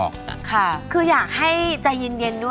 แม่บ้านประจันบัน